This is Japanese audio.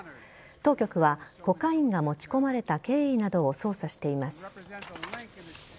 当局は、コカインが持ち込まれた経緯などを捜査しています。